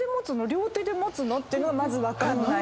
両手で持つの？っていうのがまず分かんない。